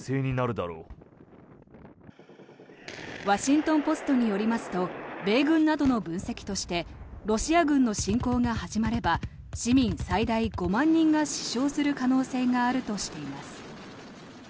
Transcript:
ワシントン・ポストによりますと米軍などの分析としてロシア軍の侵攻が始まれば市民最大５万人が死傷する可能性があるとしています。